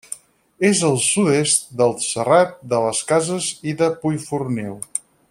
És al sud-est del Serrat de les Cases i de Puiforniu.